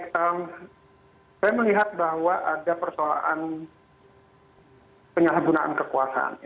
saya melihat bahwa ada persoalan penyalahgunaan kekuasaan